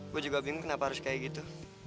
gue juga bingung kenapa harus kayak gitu